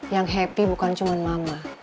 yang happy bukan cuma mama